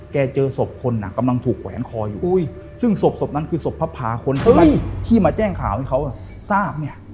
เจอศพคนกำลังถูกแขวนคออยู่ซึ่งศพนั้นคือศพพระพาคนที่มาแจ้งข่าวให้เขาทราบเนี่ย